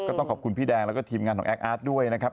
ต้องขอบคุณพี่แดงแล้วก็ทีมงานของแอคอาร์ตด้วยนะครับ